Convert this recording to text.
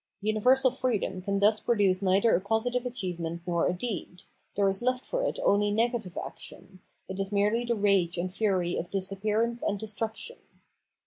Universal freedom can thus produce neither a positive achievement nor a deed ; there is left for it only nega tive action ; it is merely the rage and fury of dis appearance and destruction.